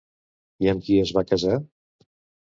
I amb qui es va casar?